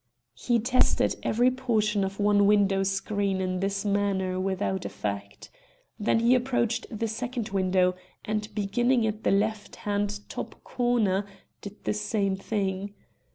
He tested every portion of one window screen in this manner without effect. Then he approached the second window, and, beginning at the left hand top corner, did the same thing.